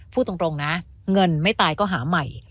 พูดตรงนะเงินไม่ตายก็หาใหม่